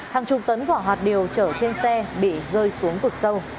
hàng chục tấn vỏ hạt điều chở trên xe bị rơi xuống vực sâu